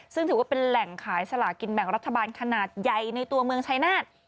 ซึ่งถือว่าเป็นแหล่งขายสลากินแบ่งรัฐบาลขนาดใหญ่ในตัวเมืองชายนาฏ